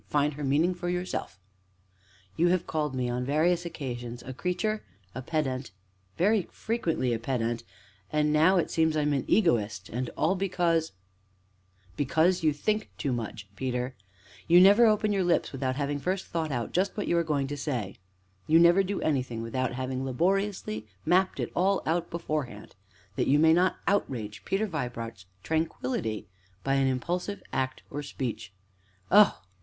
Find her meaning for yourself." "You have called me, on various occasions, a 'creature,' a 'pedant' very frequently a 'pedant,' and now, it seems I am an 'egoist,' and all because " "Because you think too much, Peter; you never open your lips without having first thought out just what you are going to say; you never do anything without having laboriously mapped it all out beforehand, that you may not outrage Peter Vibart's tranquillity by any impulsive act or speech. Oh!